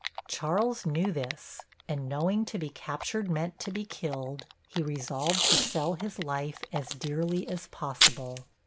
Charles knew this, and knowing to be captured meant to be killed, he resolved to sell his life as dearly as possible.